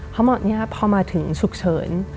เขาบอกพอมาถึงฉุกเฉิน